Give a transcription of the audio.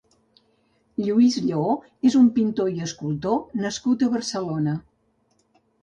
Lluís Lleó és un pintor i escultor nascut a Barcelona.